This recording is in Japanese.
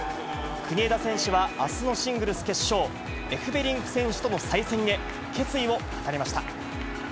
国枝選手はあすのシングルス決勝、エフベリンク選手との再戦へ、決意を語りました。